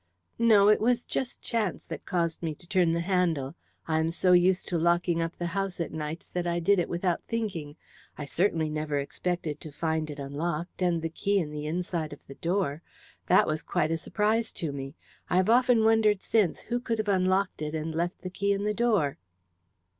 "No; it was just chance that caused me to turn the handle. I'm so used to locking up the house at nights that I did it without thinking. I certainly never expected to find it unlocked, and the key in the inside of the door. That was quite a surprise to me. I have often wondered since who could have unlocked it and left the key in the door."